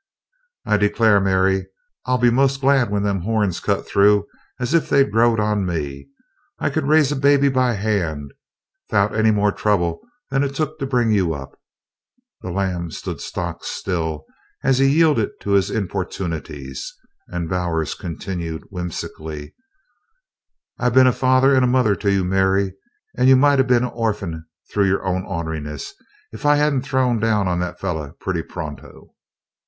"I declare, Mary, I'll be most as glad when them horns cut through as if they growed on me! I could raise a baby by hand 'thout any more trouble than it's took to bring you up." The lamb stood stock still as he yielded to his importunities, and Bowers continued whimsically: "I been a father and mother to you, Mary, an' you might a been an orphing through your own orn'riness if I hadn't throwed down on that feller pretty pronto.